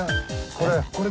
これ？